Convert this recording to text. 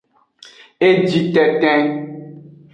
Eji tenten.